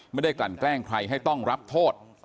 กลั่นแกล้งใครให้ต้องรับโทษ